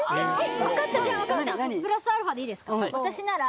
プラスアルファでいいですか？